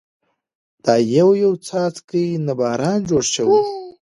دا يو يو څاڅکي نه باران جوړ شي